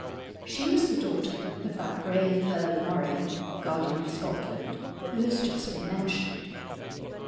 She was the daughter of that brave Earl of Moray, Guardian of Scotland, who has just been mentioned.